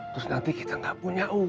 terus nanti kita nggak punya oh